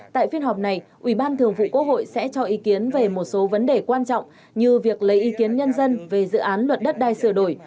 tại phiên họp này ubth sẽ cho ý kiến về một số vấn đề quan trọng như việc lấy ý kiến nhân dân về dự án luật đất đai sửa đổi